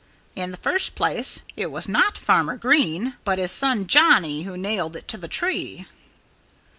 In the first place, it was not Farmer Green, but his son Johnnie, who nailed It to the tree."